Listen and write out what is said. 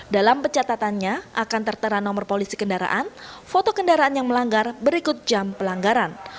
dalam pencatatannya akan tertera nomor polisi kendaraan foto kendaraan yang melanggar berikut jam pelanggaran